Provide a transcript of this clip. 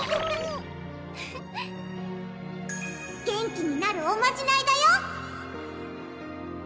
元気になるおまじないだよ！